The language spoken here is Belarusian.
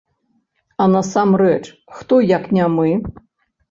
А насамрэч, хто, як не мы?!